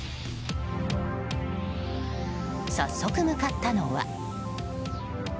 早速、向かったのは。